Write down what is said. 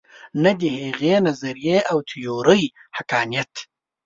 نه د هغې نظریې او تیورۍ حقانیت.